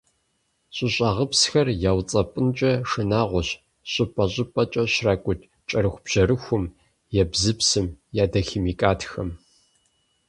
ЩӀыщӀагъыпсхэр яуцӀэпӀынкӀэ шынагъуэщ щӀыпӀэ -щӀыпӀэкӀэ щракӀут кӀэрыхубжьэрыхум, ебзыпсым, ядохимикатхэм.